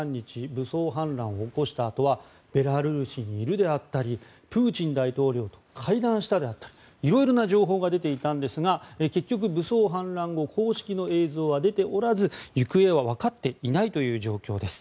武装反乱を起こしたあとはベラルーシにいるであったりプーチン大統領と会談したであったり色々な情報が出ていたんですが結局、武装反乱後公式の映像は出ておらず行方はわかっていないという状況です。